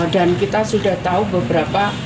dan kita sudah tahu beberapa